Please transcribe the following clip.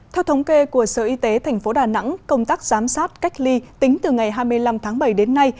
theo thống kê của sở y tế tp đà nẵng công tác giám sát cách ly tính từ ngày hai mươi năm tháng bảy đến nay